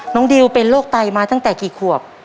ดิวเป็นโรคไตมาตั้งแต่กี่ขวบ